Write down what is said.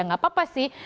nggak apa apa sih